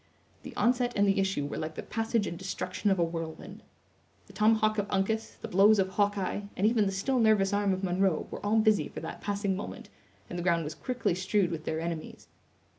The onset and the issue were like the passage and destruction of a whirlwind. The tomahawk of Uncas, the blows of Hawkeye, and even the still nervous arm of Munro were all busy for that passing moment, and the ground was quickly strewed with their enemies.